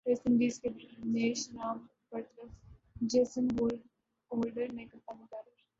waste Indies کے دنیش رام برطرف Jason Holder نئے کپتان مقرر